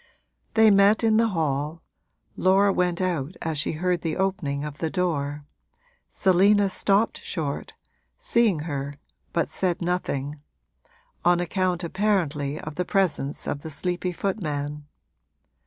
They met in the hall Laura went out as she heard the opening of the door, Selina stopped short, seeing her, but said nothing on account apparently of the presence of the sleepy footman.